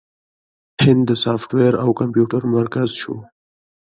هند د سافټویر او کمپیوټر مرکز شو.